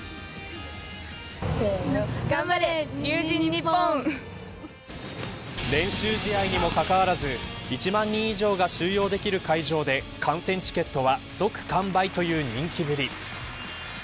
前は練習試合にもかかわらず１万人以上が収容できる会場で観戦チケットは即完売という人気ぶり。